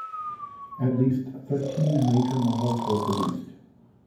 At least thirteen major models were produced.